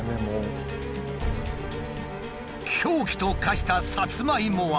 凶器と化したサツマイモは。